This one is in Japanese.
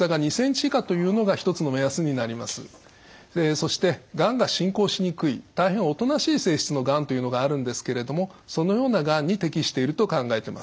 そしてがんが進行しにくい大変おとなしい性質のがんというのがあるんですけれどもそのようながんに適していると考えてます。